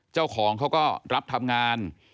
เจ้าของเขาก็รับทำงาน